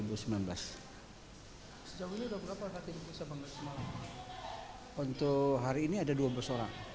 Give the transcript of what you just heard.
untuk hari ini ada dua belas orang